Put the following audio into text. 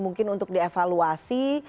mungkin untuk dievaluasi